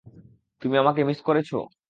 তুমি আমাকে মিস করেছো?